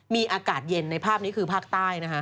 มีอากาศเย็นในภาพนี้คือภาคใต้นะคะ